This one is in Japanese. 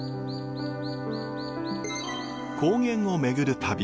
高原を巡る旅。